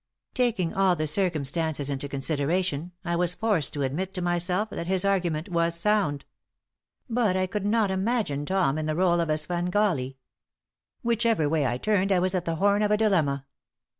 Taking all the circumstances into consideration, I was forced to admit to myself that his argument was sound. But I could not imagine Tom in the role of a Svengali. Whichever way I turned I was at the horn of a dilemma.